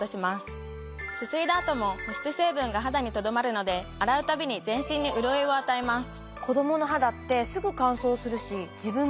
すすいだ後も保湿成分が肌にとどまるので洗うたびに全身に潤いを与えます。